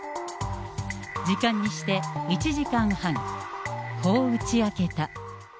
時間にして１時間半、こう打ち明けた。